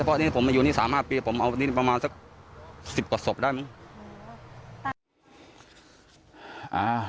เพราะอันนี้ผมมาอยู่นี่๓๕ปีผมเอานี่ประมาณสัก๑๐กว่าศพได้มั้ง